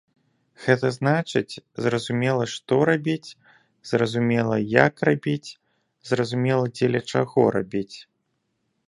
Гэта значыць зразумела што рабіць, зразумела як рабіць, зразумела дзеля чаго рабіць.